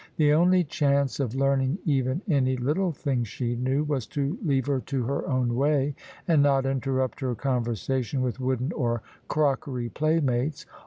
The only chance of learning even any little things she knew, was to leave her to her own way, and not interrupt her conversation with wooden or crockery playmates.